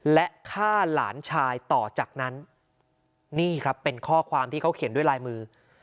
และฆ่าหลานชายต่อจากนั้นนี่ครับเป็นข้อความที่เขาเขียนด้วยลายมือ